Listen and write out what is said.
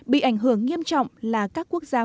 bị ảnh hưởng nghiêm trọng là các quốc gia